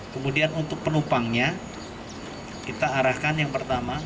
kemudian untuk penumpangnya kita arahkan yang pertama